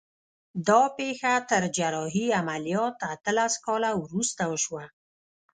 دا پېښه تر جراحي عملیات اتلس کاله وروسته وشوه